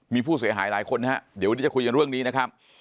มีผู้เสียหายหลายคนนะฮะเดี๋ยววันนี้จะคุยกันเรื่องนี้นะครับ